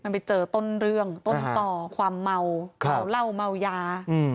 มันไปเจอต้นเรื่องต้นต่อความเมาเมาเหล้าเมายา